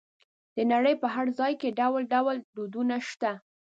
د نړۍ په هر ځای کې ډول ډول دودونه شته.